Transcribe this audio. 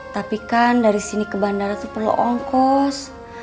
tapi kan dari sini ke bandara itu perlu ongkos